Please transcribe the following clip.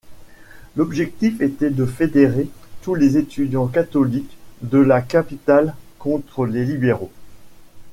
L'objectif était de fédérer tous les étudiants catholiques de la capitale contre les libéraux.